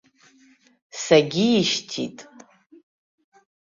Сагьишьҭит.